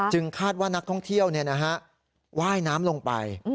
คาดว่านักท่องเที่ยวว่ายน้ำลงไป